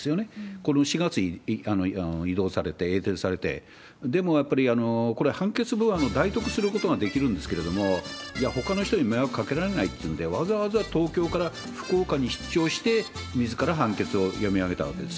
この４月に異動されて、栄転されて、でもやっぱり判決文は代読することができるんですけれども、いや、ほかの人に迷惑かけられないというので、わざわざ東京から福岡に出張して、みずから判決を読み上げたわけです。